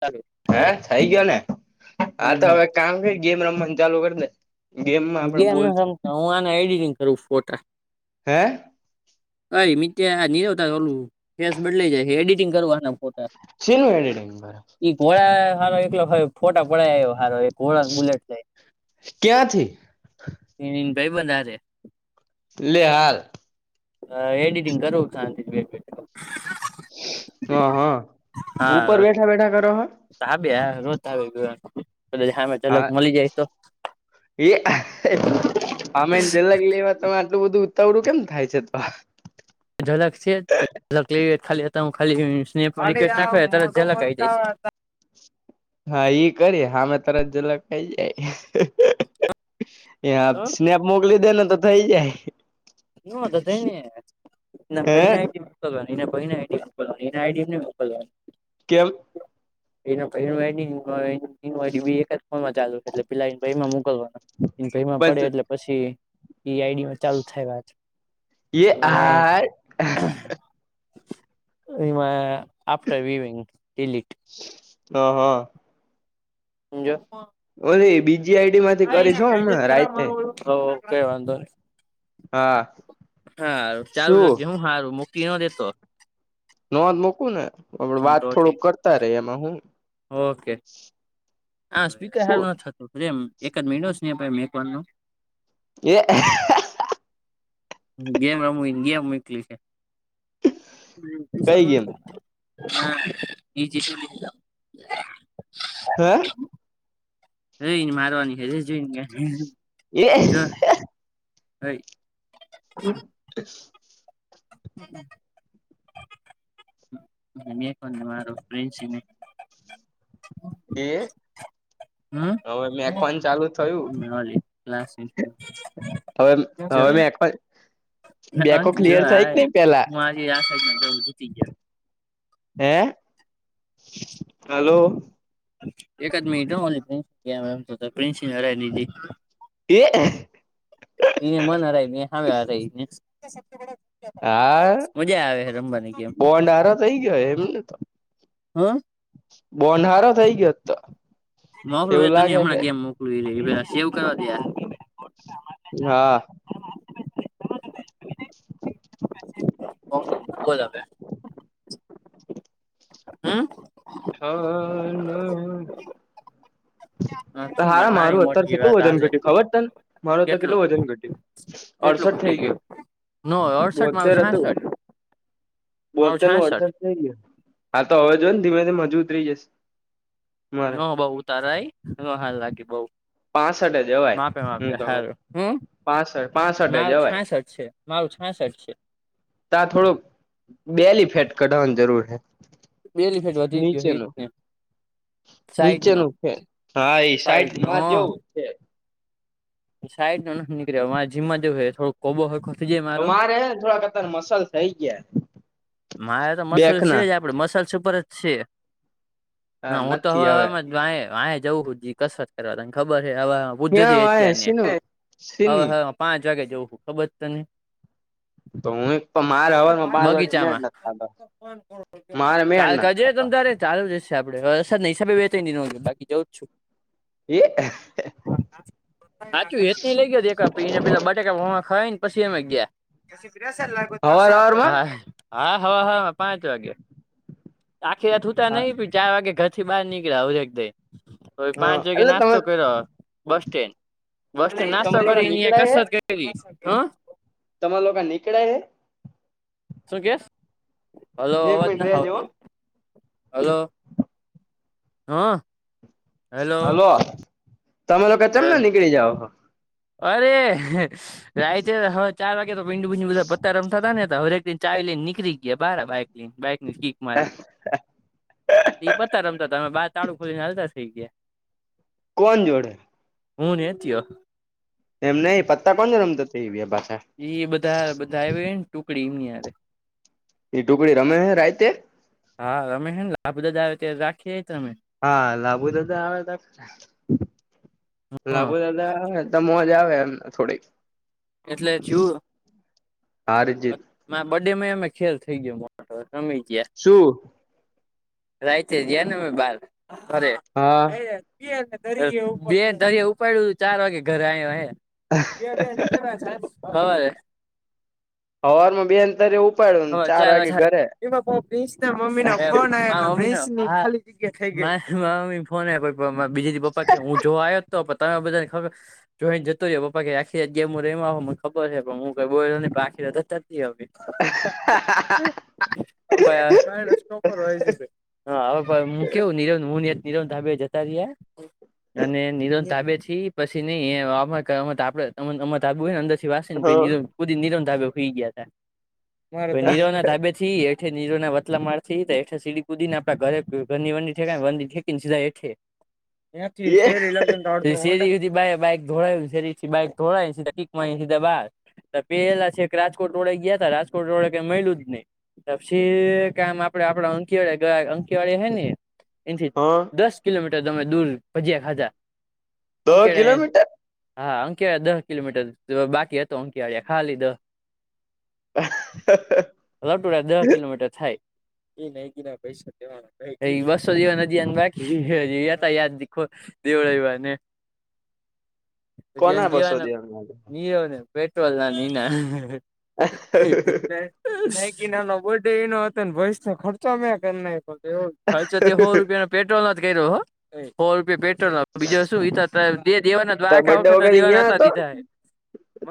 ચાલુ હે થઈ ગયો ને હા તો હમ હવે કામ કરી ગેમ રમ ચાલુ કરી દે ગેમમાં આપણે ગમે નથી બોલશું સમતા હું આને એડિટિંગ કરું ફોટા. હે અ મિત્યા નીરવતા ઓલું ફેસ બદલાઈ જાય એડિટિંગ કરુ એના ફોટા શિન એડિટિંગ [unintelligible] ઈ ઘોડા હારો એકલો ફોટા પડાવી આવ્યો હારો ઘોડા બુલેટ લય. ક્યાંથી એની ભઈબંધે હારે લે હાલ. હવે એડિટિંગ કરું છુ શાંતિ થી બેઠો બેઠો હા હા ઉપર બેઠા બેઠા કરો હ તપે આવે રોજ઼ ધાબે કરું કદાચ હામે થી હા એ આમે જલગ લ તમે આટલું બધું ઉતાવળું કેમ થાય છે તો ઝલક છેક લ ખાલી હ ખાલીપ ના ત લક આ જાય [unintelligible] હા ઈ કરી હામે તરત જલક આઈ જાય એ હા છે સ્નેપ મોકલી દે ને તો થઈ જાય નો તો થઈ ને હે [unintelligible] મોકલવાની એના ભઈને આઈડી મોકલવાની એના આઈડીને મોકલવાની કેમ એના ભાઈ નું આઈડી [unintelligible] એ એક જ ફોનમાં ચાલુ છે એટલે પેલા એના ભઈ માં મોકલવાના એના ભઈમાં પડે પણ એટલે પછી એ આઈડી મા ચાલુ થાય વાત એ અને આહા ર એની માં આફ્ટર વિવીિંગ ડીલીત હ હા જો ઓલી બીજી આઈડી માંથી કરીશ હમણાં રાઈતે હો કઈ વાંધો ની હા હારુ ચાલું શું રાખજે હો મૂકી ન દેતો નોંધ મોકું ને આપ હા વાત તો થોડુંક ઠીક કરતા રે એમાં હું ઓકે હા સ્પીકર શું સારું નથ થતું તેમ એક જ મીનિત સ્નેહ ભાઈ [unintelligible] એ ગેમ રમ ગેમ નીકલી છે કઈ ગેમ હા એ જે હે રઈ ને મારવાની હ જોઈ ને એ હોઈ [inaudible] [inaudible] મે પણને મારો ફ્રેન્ એ હવે મેખવાન ચાલુ થયું હવે હવે મે બેકો ક્લિયર થાય કે નઈ પેલા હું આ સાડવ જીતી જાય હે હાલો એક જ મિનિટ નલી પ્રિસમમ પ્રિન્સ ની હરાઈ દીધી [inaudible] એ મન હરાય હવે હરાને હા મજા આવે હ રમવાની કેમ બોન્ડ હારો થઈ ગયો એમને હ બો અંધારો થઈ ગયો તો મોકલું એ એવું તો ન લાગે હમણાં છે કેમ મોકું એ એ પેલા સેવ કરવા દયાર હા [unintelligible] [inaudible] હા ના શું મારે હા નાની મારું અત્યારે મોટી કેટલું વાત વજન હાલે ઘટ્યું ખબર છે ને મારું અત્યારે કેટલું વજન ઘટ્યું અડસઠ થઇ ગયો. ન હોય અડસઠ માં આવે છાસઠ મારું બોતેરનું છાસઠ અડચણ થઈ ગયુ હા તો હવે જોય ને ધીમે ધીમે મજૂત રઈ જશે. મારે ના બઉ તારાય ના હારું લાગે બઉ. પાસઠ જવાય માપે હું માપે તો હાર પાસઠ હમ્મ પાસઠ પાસઠે મારુ જવાય છાસ્ટ છે મારુ છાસ્ટ છે. ત થોડું બેલી ફેટ કઢાવવાની જરૂર હૈ. બેનિફિટ વધી ગયો એ જ ને સાઈડ નો નીચેનું છે હા એ સાઈડ માં જેવું છે. સાઈડ ન નથી નીકળ્યો મારે જીમમાં જેવું થડો કોબોય તો મારેને થોડા કત મસલ થઇ ગયા. મારે તો બેક મસલ છે ના જ આપડે મસાલ ઉપર જ છે હા હું તો નથી હવે હવે આ આ જવું કસરત કરવા ત ખબર હ હવા બુધજ ક્યાં હ અત્યારને શીનું હવા શીની હર પાંચ વાગે જવં છું ખબર તને તો હું એક તો મારે હવાજમાં પાંચ વાગે મેળલે બગીચામાં ને ખબ મારે મેલ કાલ નથી કરજે તમ ખાતા - ચાલુ જશે આપડે વરસાદ ના હિસાબે વચ બાકી જવ જ છું. એ સાચું હેચ ન લઇ ગય એકને પેલા બટાકા ખાય ને પછી અમે ગયા. હા હવાર હવારમાં હા હવા હ પાંચ વાગે. આખી રાત હુતા નહ ચાર વાગે ઘર થી બહાર નીકળ્યા હરેક દાઈ. તો હા પાંચ વાગ્યા એટલે નાસ્તો તમે કર્યો બસ સ્ટેન્ડ બસ સ્ટેન્ડ નાસ્તો તમે લોકો કરીને નીકળાય કસર કરીશ હં તમા લોકો ક નીકળે હ શું કેશ હલો એક અવાજ મિનિટ ના રેજો હો આવતો હલો. હા. હેલો હલો તમે લોકો કે હે ચેમના નીકળી જાવ હ. અરે રાય છે હવે ચાર વાગે તો ભીંડું ભીંડું બધા પત્તા રમતા તા ને તમે ગેટ ની ચાવી લઈને નીકળી ગયા બાર બાઈક લઈને બાઈક ની કીક મારી ને. એઈ પતા રમતા હતા અમે બાર તાળું ખોલી ને હાલતા થઈ ગયા. કોણ જોડે. હું ને હેતીયો. એમને પત્તા કોણ છે રમતો થયો વિયો પાછા. એ બધા બધા આવે ને ટુકડી એમની હારે એ ટુકડી રમે હે રાયતે. હા રમે હે ને આ બધા જાય ત્યારે રાખીએ તમે. હા લાબુ દાદા આવયા તા હા લાબુ દાદા આવે. તો મોજ આવે એમને થોડીક એટલે ચુ. હા રી જીત. બડે માં અમે ખેલ થઈ ગયો મોટો રમી ગયા. શું. રાયતે ગયા ને અમે બાર અરે. હા બે બે દરિયા ઉપાડ્યું ચાર વાગે ઘરે આવ્યો હે બે બે નની હ ખબર હે હવારે બી અંતર એવું. હ ચ એ બાપ મમ્મી [inaudible] ના કોણાલી ઠીક હે થઈ ગયું મારી મમ્મી નો ફોન બીજી દિ મારા પપ્પા કે હું જોવા આયો તો તો તમે બધાને ખબર જોઈને જતો રહ્યો પપ્પા કેઈ આખીરેત જે હું રેમા હો મને ખબર છે પણ હું કઈ બો ન આખી જ જ નથી હ. હા હા હા. ક સ્ટોકર હોય છે ભ. [inaudible] હા હવે હું કેવું નીરવ હું નીરવ ધાભે જતા રહ્યા. અને નિલ તાબે થી પછ ન એ અમ તબુ હોય [inaudible] ને અંદર હા નેુદી નીરમ ધાબે ખઈ ગયા નીરવ ના ધાબે થી [inaudible] નીરોના વતલા માર થી એઠ સીડી કુદી ને આપડા ઘરે ઘરની વંદ ઠેક ને વંદર ઠંકીને સધા એઠે. એથી એ શરી લગન શેરી સુધી બાઈ બાઈક ધોળાય શેરીથી બાઈક ધોળાય કીકી સીધીબહાર. તો પેલા છે કે રાજકોટ રોડે ગયા ત રાજકોટ રોડે કે મળિલું જ નહી. પછી કામ આપડે આપડા અંકવાળિયા ગયા અંકવાળિયા હ ને એથી હા દસ કિલોમીટર તમે દૂર ભજીયા ખાઘા દહ અંકેડા. કિલોમીટર હા અંકળયા દહ કિલોમીટર બાકી હતો અંકળિયા ખા લીદો. હા. લટુરા દહ કિલોમીટર થાય એ ન ગીના પૈસા બસો જેવા ના ધ્યાન રાખીએ એ તા યાદ દીખો દેવળવાને. કોના બસો દેવના આજે ઈઓને પેટ્રોલ ના ઇના ક નાનો બર્ ડે એ ન હતો ને ભેસ નો ખર્ચો મે કર ના એ ખર્ચો તે સો રૂપિયા ન પેટ્રોલ ન જ કર્યો હૌ સો રૂપિયા પેટ્રોલ ન તો બીજો શું દીધા હતા દેવાના તાર દ્વાકા બર્ડે વખત ના દેવાના અહિયાં હતા હતો દીધા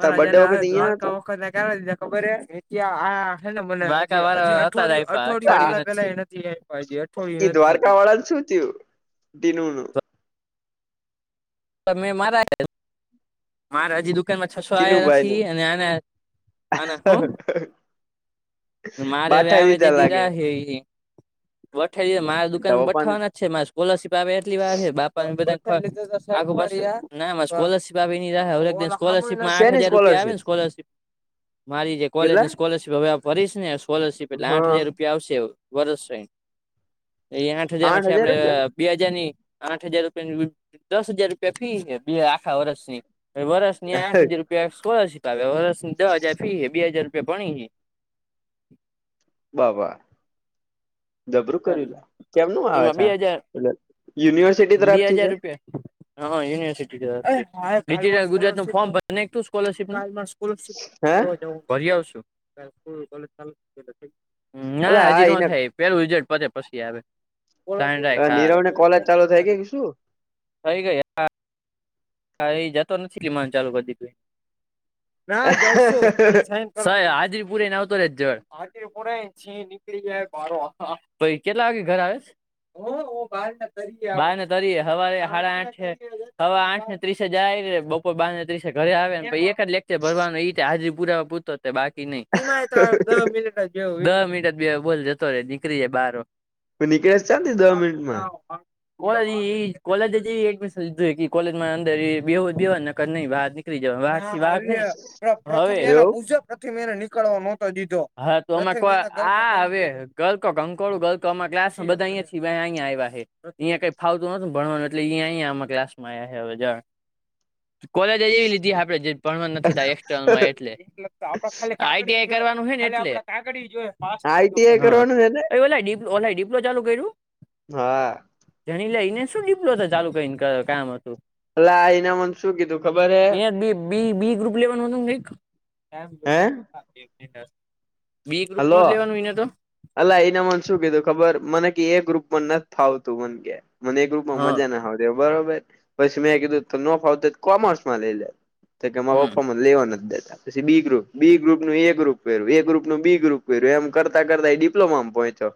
તાર બર્ડે જેને હવે વખત અહિયાં દ્વારકા હતો વખત કેવા દીધા ખબર હ આ ને મને [inaudible] અઠવાડિયમાં પેલા નથી અઠવાડિયું એ નથી થયું પુરૂ તને શું થયું દિનુનુ તમે મારા મારાજી દુ. ટીનુભાઈ નું [unintelligible] મારે હવે બાઠા આવે તે લીધા લાગે દિરા છે. વઠે મારા દુકાનમાં તારા પપ્પા ને બેઠવાના જ છે મારે સ્કોલરશીપ આવે એટલી વાર છે બાપ આગ ના બો ભી રહક દ સ્કોલરશીપમાં આઠ શેની હજાર રૂપિયા આવે સ્કોલરશીપ ને સ્કોલરશીપ મારી જે કેટલા કોલેજની સ્કોલરશીપ હવે ફરીશ ને સ્કોલરશીપ એટલે આઠ હા હજાર રૂપિયા આવશે વર્ષ એ આઠ હજાર માંથી આપડે બે હાજાર ની આઠ હજાર રૂપિયા. દસ હજાર રૂપિયા ફી હ બે આખા વરષની વરસ આઠ હજાર રૂપિયા સ્કલરશિપ આવે દસ હજાર ફી હ બે હજાર રૂપિયા પણી હ. [inaudible] બાબા. ગબરું કર્યું લ કેમનું આવે એમાં છે બે હજાર યુનિવર્સિટી તરફ થી છે. [inaudible] હા યુનિવર્સિટીટલ ગુજરાત નું ફોર્ ભને એક તું સ્કોલરશીપ ના હે ભરી આવું. અલે ના હા હજી ન એને થાય પેલું રિઝલ્ટ પતે પછી આવે. નીરવ ને કોલેજ ચાલુ થાય ગઈ શું? [unintelligible] હા એ જતો નથી કમાન ચાલુ કર દ હ જાવ છું ખાલી સા. [unintelligible] નીકળી જાય પ કેટલા વાગે ઘરે આવે? બ બારને તરીયે હવા હાડા આઠ છે હવા આઠ ને ત્રીસ હજ આવી ર બપર બાાર ને ત્રીસ ઘરે આવેને એક જ લેક્ચર ભરવાનું એ રતે હાજરી પુરાવા પૂરતો બાકી નહી મિનિટ દ મિનિ જ બોલ જતો રે નીકળી જાય બાર. [inaudible] નીકળે ચાલતી દહ મિનિટમાં કો કોલેજ જ એ એડમિશન લીધું કોલેજ માં અંદર એ બે બેવા નક નઈ બહાર નીકળ. એવું [unintelligible] મે નીકળવા મોટો દીધો હા તોમે હા હવે ગંકોળું ગ કમાં ક્લાસમાં બધા અહીંયા થી અહીંયા આવ્યા છે અહીં કંઈ ફાવતું નથીોું ભણવાનું એટલે અહીં અહીંયામા ક્લાસમાં આવ્યા છે હ જાણ કોલેજ એવી લીધી આપડે જે ભણવા નથી થ એક્સર્નલમાં એટલે આપ ખાલી આઈઆઈ કરવાનું હો ને આઈટીઆઈ કરવાનું હેને ઓ ડિપ્લો ચાલુ કર્યું? હા. જણી લઈને શું ડીપ્લો ચાલુ કરીને કામ હતું અલા આઇને મને શું કીધું ખબર હે. બ બી ગ્રુપ લેવાનું હતું કંઈક હે બી ગ્રુપ નો જ લેવાનું એને તો અ એના મને શું કીધું ખબર મને ક એ ગ્રુપ પણ નથી થ ફાવતું મને કે મને એ ગ્રુપમાં હા મજા ના આવતી બરોબર પછી મેં કીધું ત નો ફ આવતો કોમર્સ માં લઈ લે તો કેમાં હમ પપ્પામાં લેવા નથી જ દેતા પછી બી ગ્રુપ બી ગ્રુપ નું એ ગ્રુપ પર્યું એ ગ્રુપ બી ગ્રુપ કર્યું એમ કરતા કરતા ડિપ્લોમા પહોંચો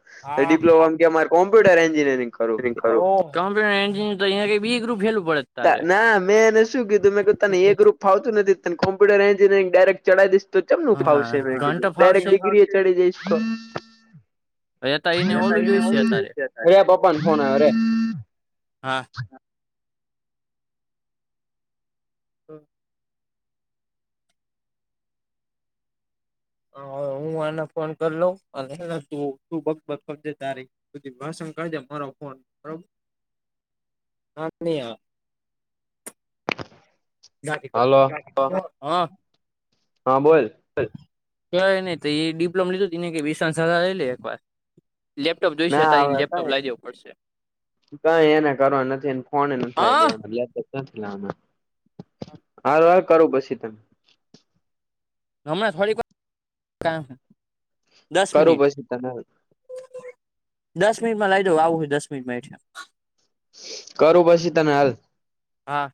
ડિપ્લોમા કે કોમપ્યટર એન્જિરીંગ કમ્પ્યુટર એન્જિનીયર કરતાં બી ગ્રુપ હેલું પડે તારે ના મેં એને શું કીધુંંતાને એક્રુપ ફાવતું નથી તને કોમ્પ્યુટર એનયરિંગ ડાયરેક્ટ ચઢાવીશ તો ચમનું હા ફાવશે મેં ઘંટ કીધું ડાયરેક્ટ ફાવશે ડિગ્રી એ ચડી જઈશ તો અતારે એને ઓલું જોઈશે અતારે હા [unintelligible] [inaudible] હ હું આને ફોન કરી લઉ [unintelligible] તારી પછી ભાષણ કાજે મારો ફોન બરોબ હા નહી હલો [unintelligible] હા હા બોલ ક નહી તો એ ડિપ્લોમ લીધું [unintelligible] લઈ લે એક વાર લેપટોપ જોઈશે હતા ના એની હવે લેપટો કઈ લઇવું પડશે. કઈ એને કરવા નથી એ ફોને નથી લાઈ હા દેવાનું. હાલ હાલ કરું પછી તમે હમણાં થોડીક વાર દસ કરું મિનિટ પછી તને દસ મિનિટમાં લઈ દો આવું હોય દસ મિનિટ માં એઠ કરું પછી તને હાલ હા